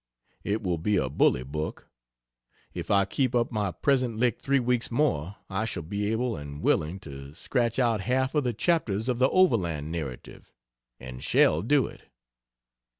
It will be a bully book. If I keep up my present lick three weeks more I shall be able and willing to scratch out half of the chapters of the Overland narrative and shall do it.